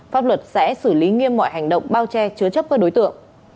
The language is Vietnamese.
pháp luật sẽ xử lý nghiêm mọi hành động bao che chứa chấp các đối tượng